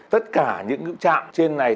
tất cả những cái chạm trên này